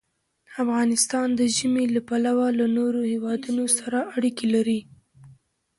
افغانستان د ژمی له پلوه له نورو هېوادونو سره اړیکې لري.